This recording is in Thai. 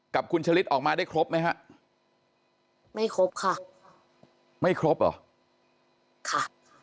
กับคุณชะลิดออกมาได้ครบไหมฮะไม่ครบค่ะไม่ครบเหรอค่ะ